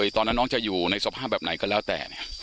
ตอนนั้นน้องจะอยู่ในสภาพแบบไหนก็แล้วแต่